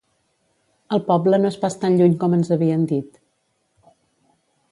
El poble no és pas tan lluny com ens havien dit.